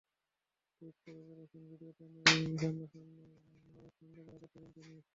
Tweet করে বলেছেন, ভিডিওতে নয়, সামনাসামনিই মালালার সঙ্গে দেখা করতে চান তিনি।